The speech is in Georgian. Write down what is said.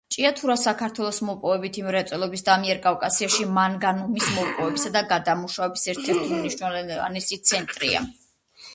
ჭიათურა საქართველოს მოპოვებითი მრეწველობის და ამიერკავკასიაში მანგანუმის მოპოვებისა და გადამუშავების ერთ-ერთი უმნიშვნელოვანესი ცენტრია.